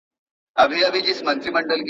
که څېړنه احساساتي سي نو په کره کتنه بدلېږي.